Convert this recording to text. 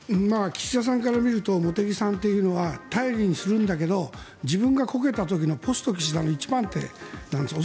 岸田さんから見ると茂木さんというのは頼りにするんだけど自分がこけた時のポスト岸田の一番手なんです。